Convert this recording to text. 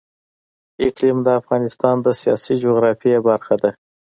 اقلیم د افغانستان د سیاسي جغرافیه برخه ده.